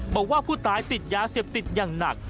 บอกว่าผู้ตายติดยาเสพติดอย่างหนัก